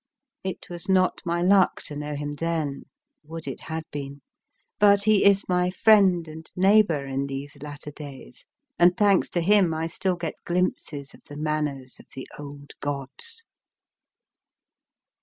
It was not my luck to know him then would it had been ! but he is my friend and neighbour in these latter days, and, thanks to him, I still get glimpses of the manners of the old gods.